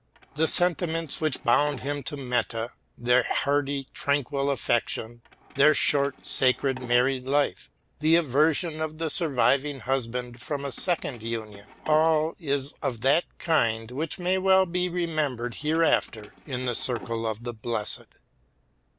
The sentiments which bound him to Meta; their hearty, tranquil affection; their short, sacred married life ; the aversion of the surviving husband from a second union, y well be remembered here after in the circle of the blessed.